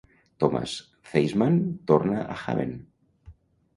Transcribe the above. Thomas Theisman torna a Haven.